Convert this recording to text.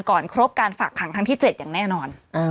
ก่อนครบการฝากขังทางที่๗อย่างแน่นอน